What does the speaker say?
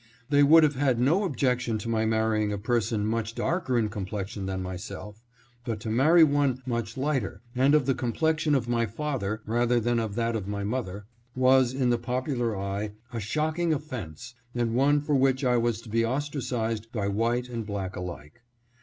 They would have had no ob jection to my marrying a person much darker in complex ion than myself, but to marry one much lighter, and of the complexion of my father rather than of that of my mother, was, in the popular eye, a shocking offense, and one for which I was to be ostracized by white and black alike.